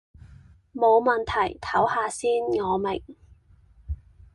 無問題，抖下先，我明